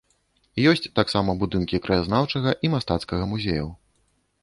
Ёсць таксама будынкі краязнаўчага і мастацкага музеяў.